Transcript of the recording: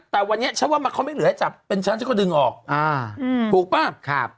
แต่วันนี้ฉันว่าเขาไม่เหลือให้จับเป็นฉันฉันก็ดึงออกถูกป่ะ